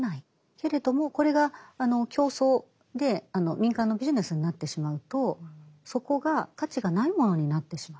けれどもこれが競争で民間のビジネスになってしまうとそこが価値がないものになってしまう。